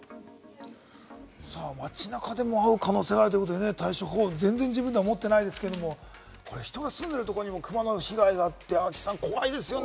街中でも遭う可能性があるということで、対処法、自分では全然持ってないですけれども、人が住んでるところにもクマの被害があって、亜希さん、怖いですよね。